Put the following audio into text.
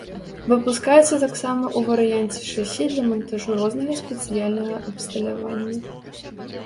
Выпускаецца таксама ў варыянце шасі для мантажу рознага спецыяльнага абсталявання.